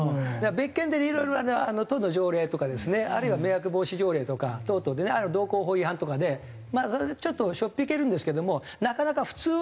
別件でいろいろ都の条例とかですねあるいは迷惑防止条例とか等々でねあるいは道交法違反とかでそれでちょっとしょっ引けるんですけどもなかなか。